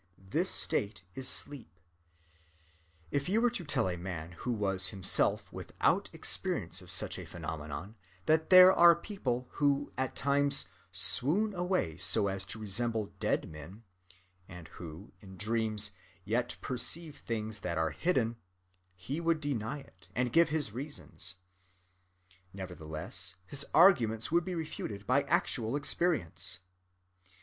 This state is sleep. If you were to tell a man who was himself without experience of such a phenomenon that there are people who at times swoon away so as to resemble dead men, and who [in dreams] yet perceive things that are hidden, he would deny it [and give his reasons]. Nevertheless, his arguments would be refuted by actual experience.